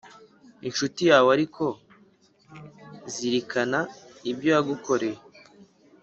Incuti Yawe Ariko Zirikana Ibyo Yagukoreye